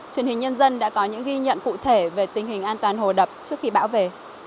truyền hình nhân dân đã có những ghi nhận cụ thể về tình hình an toàn hồ đập trước khi bão về